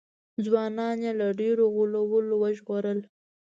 ځوانان یې له ډېرو غولو وژغورل.